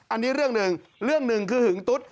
อันนี้เรื่องหนึ่งเรื่องหนึ่งคือหึงตุ๊ด